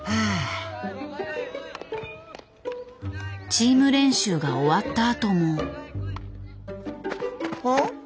チーム練習が終わったあとも。